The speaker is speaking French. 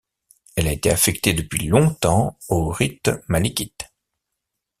Elle a été affectée depuis longtemps au rite malikite.